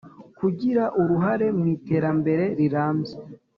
Kugira uruhare mu iterambere rirambye